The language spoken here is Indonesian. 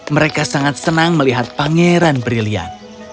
mereka sangat senang melihat pangeran brilian